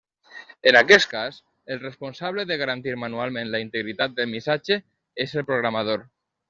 En aquest cas, el responsable de garantir manualment la integritat del missatge és el programador.